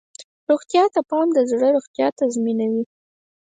روغتیا ته پام د زړه روغتیا تضمینوي.